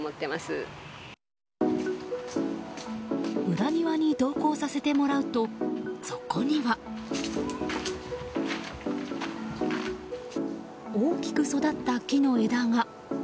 裏庭に同行させてもらうとそこには。大きく育った木の枝が。